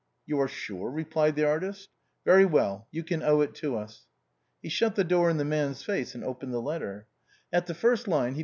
"You are sure?" replied the artist. "Very well, you can owe it to us." He shut the door in the man's face, and opened the letter. At the first line, he.